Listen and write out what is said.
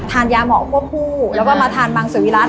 ทานยาหมอควบคู่แล้วก็มาทานมังสือวิรัติ